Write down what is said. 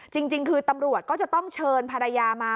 จริงคือตำรวจก็จะต้องเชิญภรรยามา